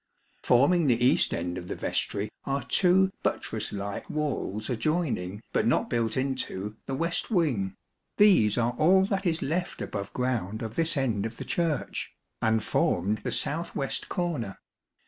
Forming the east end of the vestry are two buttress like walls adjoining, but not built into the west wing; these are all that is left above ground of this end of the Church, and formed the south west corner.